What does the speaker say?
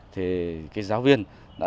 thì cái giáo viên đã nói